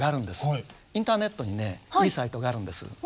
インターネットにねいいサイトがあるんです。